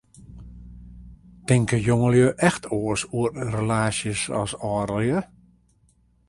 Tinke jongelju echt oars oer relaasjes as âldelju?